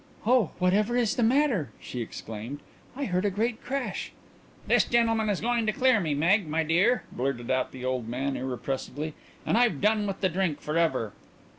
"Oh, whatever is the matter?" she exclaimed. "I heard a great crash." "This gentleman is going to clear me, Meg, my dear," blurted out the old man irrepressibly. "And I've done with the drink for ever."